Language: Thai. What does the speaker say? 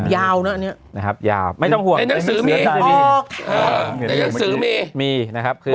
ยาวนะอันนี้ในหนักสือมีอ๋อค่ะมีนะครับคือ